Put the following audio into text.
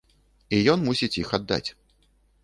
І ён мусіць іх аддаць.